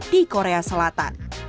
di korea selatan